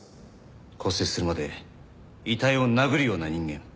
「骨折するまで遺体を殴るような人間」。